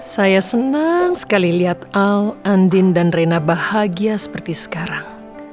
saya senang sekali lihat al andin dan rena bahagia seperti sekarang